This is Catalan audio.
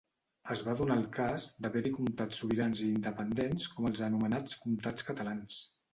Es va donar el cas d'haver-hi comtats sobirans i independents com els anomenats Comtats catalans.